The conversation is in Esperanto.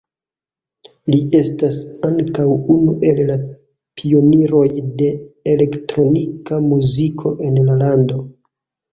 Li estas ankaŭ unu el la pioniroj de elektronika muziko en la lando.